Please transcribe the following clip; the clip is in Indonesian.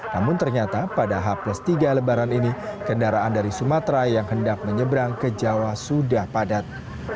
namun ternyata pada h tiga lebaran ini kendaraan dari sumatera yang hendak menyeberang ke jawa sudah padat